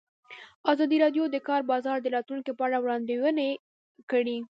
ازادي راډیو د د کار بازار د راتلونکې په اړه وړاندوینې کړې.